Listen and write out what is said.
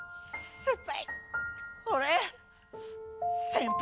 先輩